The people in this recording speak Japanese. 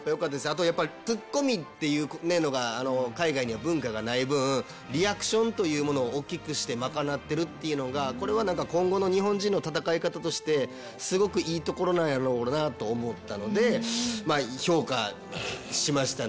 あとやっぱりツッコミっていうのが海外には文化がない分リアクションというものを大っきくして賄ってるっていうのがこれは今後の日本人の戦い方としてすごくいいところなんやろうなと思ったので評価しましたね。